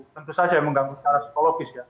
tentu saja mengganggu secara psikologis ya